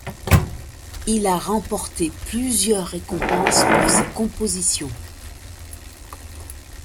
Il a remporté plusieurs récompenses pour ses compositions.